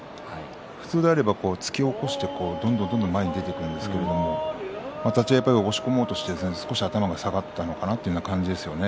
普通であれば、突き起こしてどんどん前に出ていくんですけど立ち合い押し込もうとして少しは頭が下がったのかなという感じですよね。